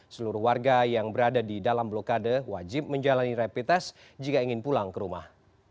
seluruh warga yang berada di dalam blokade wajib menjalani rapid test jika ingin pulang ke rumah